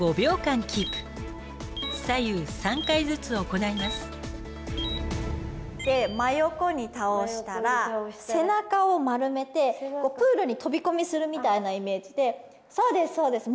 こちらも真横に倒したら背中を丸めてプールに飛び込みするみたいなイメージでそうです